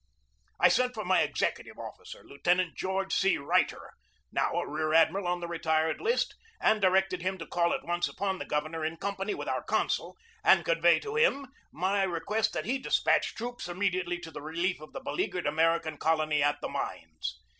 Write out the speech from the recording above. I sent for my executive officer, Lieutenant George C. Reiter, now a rear admiral on the retired list, and directed him to call at once upon the governor in company with our consul, and convey to him my request that he despatch troops immediately to the relief of the beleaguered American colony at the mines.